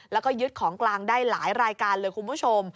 แล้วก็ยึดของกลางได้หลายรายการเลยคุณผู้ชม